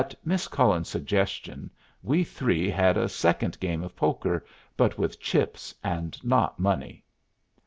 At Miss Cullen's suggestion we three had a second game of poker, but with chips and not money.